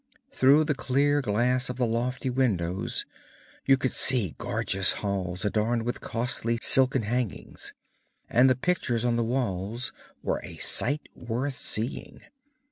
Through the clear glass of the lofty windows you could see gorgeous halls adorned with costly silken hangings, and the pictures on the walls were a sight worth seeing.